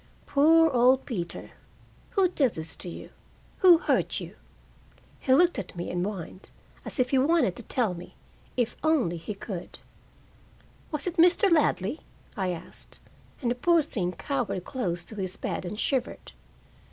"Poor old Peter! Who did this to you? Who hurt you?" He looked at me and whined, as if he wanted to tell me, if only he could. "Was it Mr. Ladley?" I asked, and the poor thing cowered close to his bed and shivered.